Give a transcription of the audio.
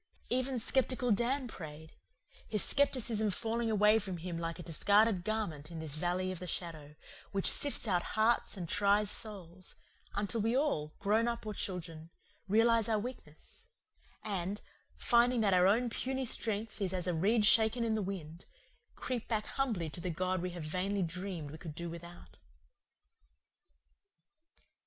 Even skeptical Dan prayed, his skepticism falling away from him like a discarded garment in this valley of the shadow, which sifts out hearts and tries souls, until we all, grown up or children, realize our weakness, and, finding that our own puny strength is as a reed shaken in the wind, creep back humbly to the God we have vainly dreamed we could do without.